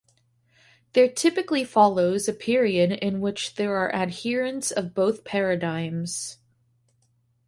There typically follows a period in which there are adherents of both paradigms.